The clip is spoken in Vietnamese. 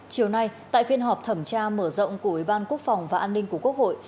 chiều nay tại phiên họp thẩm tra mở rộng của ủy ban quốc phòng và an ninh của quốc hội